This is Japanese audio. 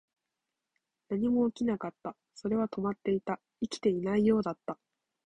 何も起きなかった。それは止まっていた。生きていないようだった。